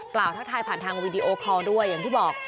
ทักทายผ่านทางวีดีโอคอลด้วยอย่างที่บอก